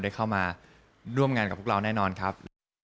ได้เข้ามาร่วมงานกับพวกเราแน่นอนครับ